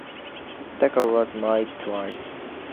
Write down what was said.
Tucker was married twice.